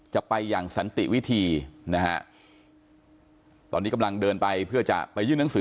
จะไปอย่างสันติวิธีนะฮะตอนนี้กำลังเดินไปเพื่อจะไปยื่นหนังสือ